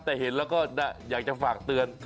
แต่เห็นแล้วก็อยากจะฝากเตือน